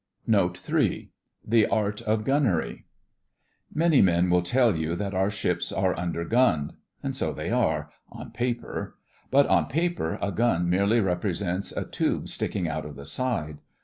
NOTE III THE ART OF GUNNERY Many men will tell you that our ships are under gunned. So they are—on paper: but on paper a gun merely represents a tube sticking out of the side.